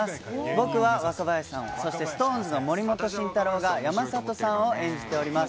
僕は若林さんを、そしてＳｉｘＴＯＮＥＳの森本慎太郎が山里さんを演じております。